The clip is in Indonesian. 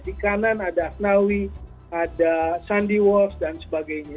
di kanan ada asnawi ada sandy wals dan sebagainya